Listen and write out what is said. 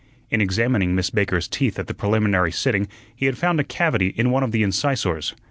In examining Miss Baker's teeth at the preliminary sitting he had found a cavity in one of the incisors.